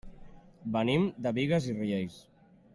Venim de Bigues i Riells.